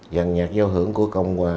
giàn nhạc giao hưởng của cộng hòa